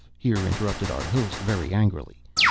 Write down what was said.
here interrupted our host, very angrily.